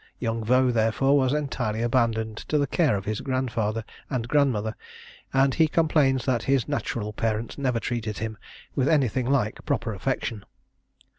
Young Vaux, therefore, was entirely abandoned to the care of his grandfather and grandmother, and he complains that his natural parents never treated him with anything like a proper affection.